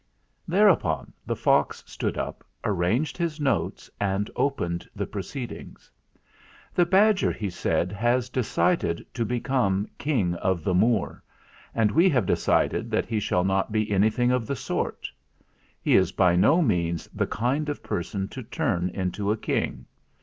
Thereupon the fox stood up, arranged his notes, and opened the proceedings. "The badger," he said, "has decided to be come King of the Moor, and we have decided that he shall not be anything of the sort. He is by no means the kind of person to turn into a king.